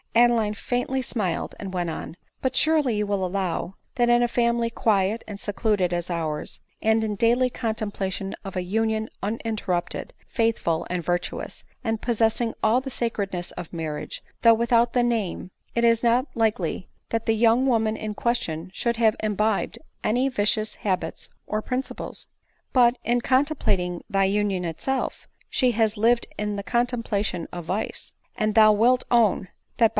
Adeline faindy smiled; and went on —" But surely you will allow, that in a family quiet and secluded as ours, and in daily contemplation of a union uninterrupted, faithful, and virtuous, and possessing all the sacredness of marriage, though without the name, it is not likely that the young woman in question should have imbibed any vicious habits or principles." " But in contemplating thy union itself, she has lived in the contemplation of vice ; and thou wilt own, that by *^P"^PBWwaBBBPHVVHHaV'^| ADELINE MOWBRAY.